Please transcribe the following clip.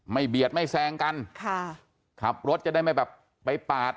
เบียดไม่แซงกันค่ะขับรถจะได้ไม่แบบไปปาด